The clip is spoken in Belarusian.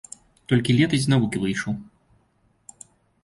Толькі летась з навукі выйшаў.